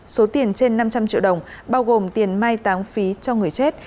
số tiền trên năm trăm linh triệu đồng bao gồm tiền mai táng phí cho người chết